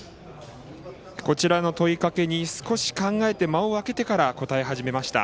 こちらの問いかけに少し考えて間を空けてから答え始めました。